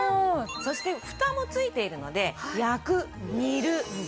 そしてフタもついているので焼く煮る炊く